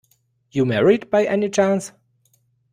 You married, by any chance?